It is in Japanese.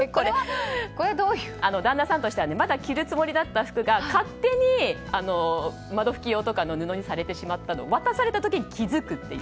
旦那さんとしてはまだ着るつもりだった服が勝手に窓拭き用とかの布にされてしまったのを渡されたときに気付くという。